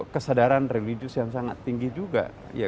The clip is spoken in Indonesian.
kesadaran religius yang sangat tinggi juga